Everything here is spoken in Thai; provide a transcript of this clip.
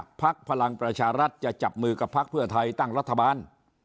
พักพลังประชารัฐจะจับมือกับพักเพื่อไทยตั้งรัฐบาล